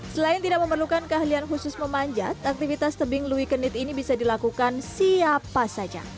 selain tidak memerlukan keahlian khusus memanjat aktivitas tebing louis kenit ini bisa dilakukan siapa saja